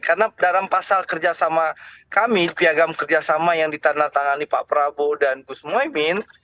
karena dalam pasal kerjasama kami piagam kerjasama yang ditandatangani pak prabowo dan gus muhaymin